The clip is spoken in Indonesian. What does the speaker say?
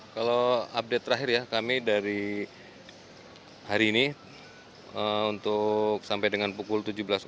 kalau update terakhir ya kami dari hari ini untuk sampai dengan pukul tujuh belas